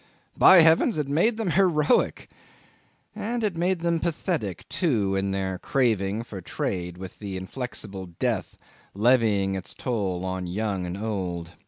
By heavens! it made them heroic; and it made them pathetic too in their craving for trade with the inflexible death levying its toll on young and old.